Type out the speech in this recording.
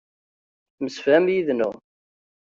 Temsefham yid-neɣ.